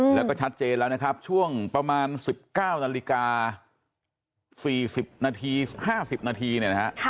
แล้วก็ชัดเจนแล้วนะครับช่วงประมาณสิบเก้านาฬิกาสี่สิบนาทีห้าสิบนาทีเนี่ยนะครับ